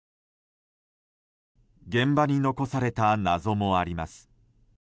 現場に残された謎もあります。